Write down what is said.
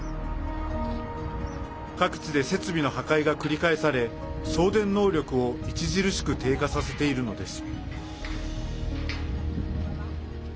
各地で設備の破壊が繰り返され送電能力を著しく低下させているのです。